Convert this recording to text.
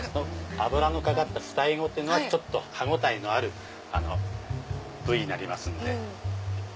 脂のかかったフタエゴっていうのはちょっと歯応えのある部位になりますので。